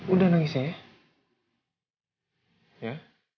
udah nangis aja ya